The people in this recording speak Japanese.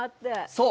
そう。